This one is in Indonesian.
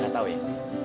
gak tahu ya